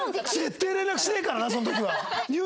絶対連絡しねえからなその時は。